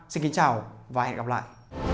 xin kính chào và hẹn gặp lại